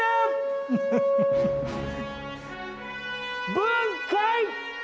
分解！